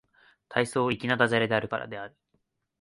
大層粋な駄洒落だからである